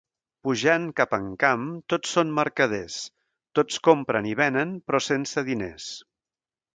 Pujant cap a Encamp tots són mercaders: tots compren i venen, però sense diners.